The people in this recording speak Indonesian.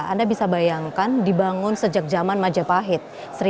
anda bisa bayangkan dibangun sejak zaman majapahit